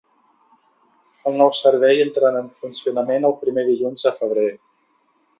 El nou servei entrarà en funcionament el primer dilluns de febrer.